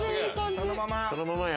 そのままよ。